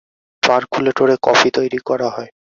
পারকুলেটরে coffee তৈরি করা হয়।